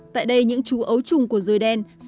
tại đây những chú ấu trùng của rùi đen đã được tạo ra